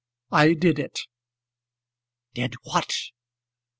I did it." "Did what?"